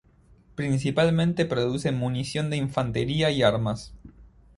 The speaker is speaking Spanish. Principalmente produce munición de infantería y armas.